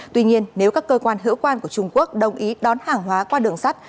tuy nhiên nếu các cơ quan hữu quan của trung quốc đồng ý đón hàng hóa qua đường sắt